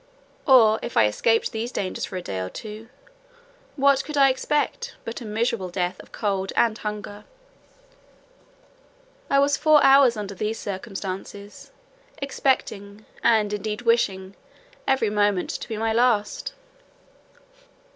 Or if I escaped these dangers for a day or two, what could I expect but a miserable death of cold and hunger? I was four hours under these circumstances, expecting, and indeed wishing, every moment to be my last.